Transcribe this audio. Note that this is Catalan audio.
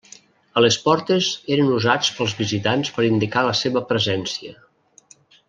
A les portes eren usats pels visitants per indicar la seva presència.